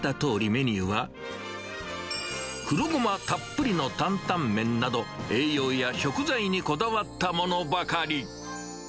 メニューは、黒ごまたっぷりの担々麺など、栄養や食材にこだわったものばかり。